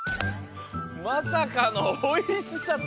まさかのおいしさと。